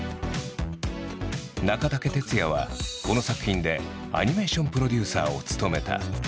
中武哲也はこの作品でアニメーションプロデューサーを務めた。